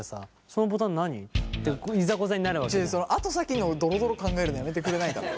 その後先のドロドロ考えるのやめてくれないかな。